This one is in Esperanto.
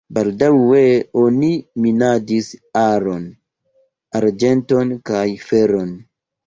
Baldaŭe oni minadis oron, arĝenton kaj feron.